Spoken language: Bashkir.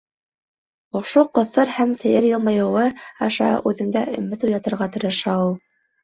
Ошо ҡыҫыр һәм сәйер йылмайыуы аша үҙендә өмөт уятырға тырыша ул.